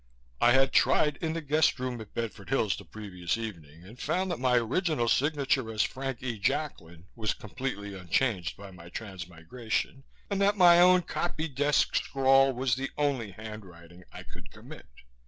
I had tried in the guest room at Bedford Hills, the previous evening, and found that my original signature as Frank E. Jacklin was completely unchanged by my transmigration, and that my own copy desk scrawl was the only handwriting I could commit.